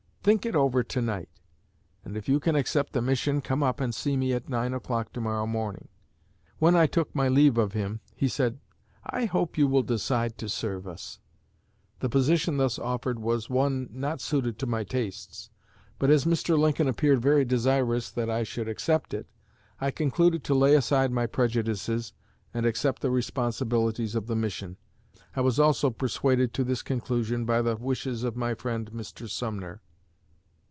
Think it over tonight, and if you can accept the mission come up and see me at nine o'clock tomorrow morning.' When I took my leave of him, he said, 'I hope you will decide to serve us.' The position thus offered was one not suited to my tastes, but, as Mr. Lincoln appeared very desirous that I should accept it, I concluded to lay aside my prejudices and accept the responsibilities of the mission. I was also persuaded to this conclusion by the wishes of my friend, Mr. Sumner.